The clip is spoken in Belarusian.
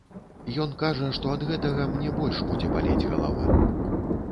Ён кажа, што ад гэтага мне больш будзе балець галава.